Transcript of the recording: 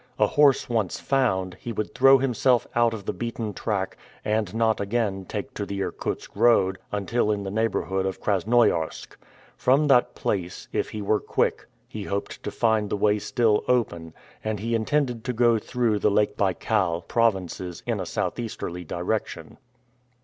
A horse once found, he would throw himself out of the beaten track, and not again take to the Irkutsk road until in the neighborhood of Krasnoiarsk. From that place, if he were quick, he hoped to find the way still open, and he intended to go through the Lake Baikal provinces in a southeasterly direction.